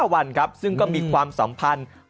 วันครับซึ่งก็มีความสัมพันธ์